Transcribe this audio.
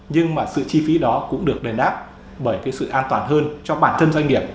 nhưng mà sự chi phí đó cũng được đền đáp bởi cái sự an toàn hơn cho bản thân doanh nghiệp